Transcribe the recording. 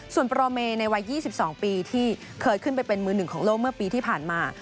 ส่วนโปรเมในวัย๒๒ปีที่เคยขึ้นไปเป็นมือหนึ่งของโลกเมื่อปีที่ผ่านมา